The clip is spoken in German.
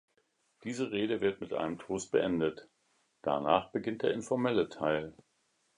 Diese Rede wird mit einem Toast beendet, danach beginnt der informelle Teil.